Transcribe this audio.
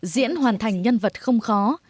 diễn hoàn thành nhân vật không khó